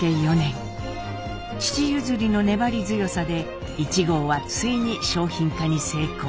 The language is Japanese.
父譲りの粘り強さで壹号はついに商品化に成功。